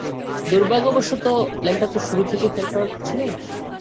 দুর্ভাগ্যবশত, প্ল্যানটা তো শুরু থেকেই ফেল করার ছিল।